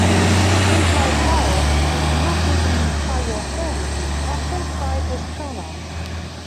Implied vowels, which are not written in Thai orthography, are transcribed as pronounced.